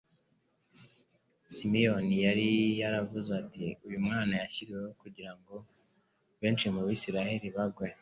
Simiyoni yari yaravuze ati: "Uyu mwana ashyiriweho kugira ngo benshi mu Bisirayeli bagwe,